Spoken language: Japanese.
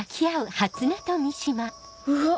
うわっ。